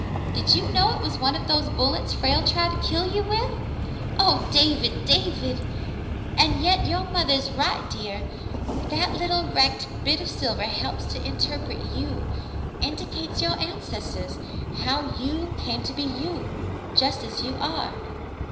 Did you know it was one of those bullets Frale tried to kill you with ? Oh, David, David!" "And yet your mother is right, dear. That little wrecked bit of silver helps to interpret you — indicates your ancestors — how you come to be you — just as you are.